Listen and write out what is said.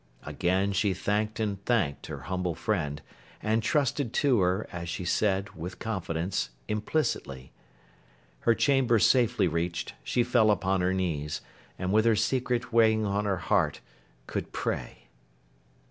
Again she thanked and thanked her humble friend, and trusted to her, as she said, with confidence, implicitly. Her chamber safely reached, she fell upon her knees; and with her secret weighing on her heart, could pray!